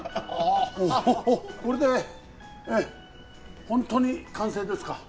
これでホントに完成ですか？